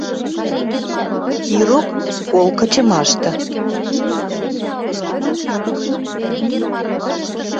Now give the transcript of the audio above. Ирок кол кычымашты